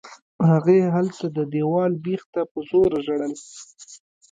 هغې هلته د دېوال بېخ ته په زوره ژړل.